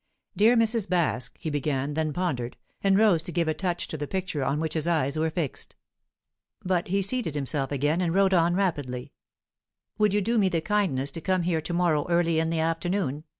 "Dear Mrs. Baske," he began then pondered, and rose to give a touch to the picture on which his eyes were fixed. But he seated himself again, and wrote on rapidly. "Would you do me the kindness to come here to morrow early in the afternoon?